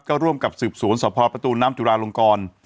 ก็ร่วมกับสืบสวนสพประตูน้ำจุลาลงกร